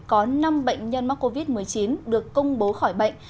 có năm bệnh nhân mắc covid một mươi chín được công bố khỏi bệnh